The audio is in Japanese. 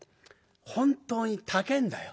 本当に高えんだよ。